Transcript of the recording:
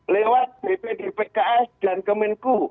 lewat bpdpks dan kemenku